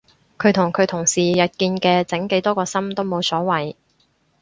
佢同佢同事日日見嘅整幾多個心都冇所謂